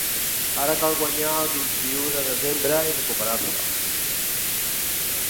Ara cal guanyar el vint-i-u de desembre i recuperar-se.